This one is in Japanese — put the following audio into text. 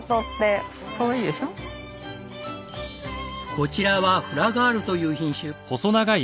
こちらはフラガールという品種。